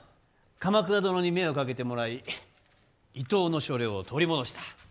鎌倉殿に目をかけてもらい伊東の所領を取り戻した。